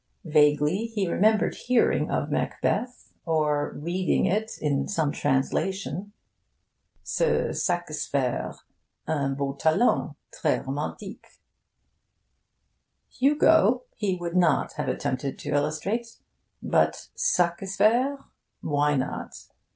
Vaguely he remembered hearing of Macbeth, or reading it in some translation. Ce Sac espe're...un beau talent...ne' romantique. Hugo he would not have attempted to illustrate. But Sac espe're why not?